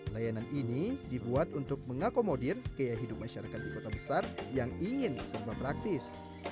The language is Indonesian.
layanan ini dibuat untuk mengakomodir gaya hidup masyarakat di kota besar yang ingin serba praktis